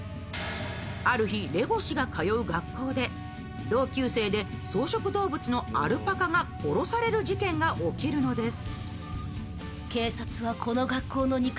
ある日、レゴシが通う学校で同級生で草食動物のアルパカが殺される事件が起きるのです。